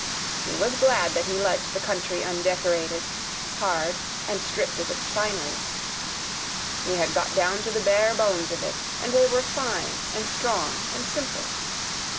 He was glad that he liked the country undecorated, hard, and stripped of its finery. He had got down to the bare bones of it, and they were fine and strong and simple.